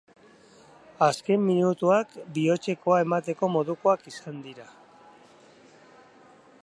Azken minutuak bihotzekoa emateko modukoak izan dira.